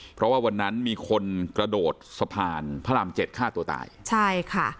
เพราะว่าวันนั้นมีคนกระโดดสะพานพระรามเจ็ดฆ่าตัวตายใช่ค่ะ